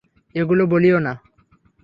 এগুলো বলিও না।